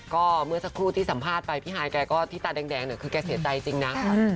ก็เมื่อสักครู่ที่สัมภาษณ์ไปพี่ฮายแกก็ที่ตาแดงเนี่ยคือแกเสียใจจริงนะ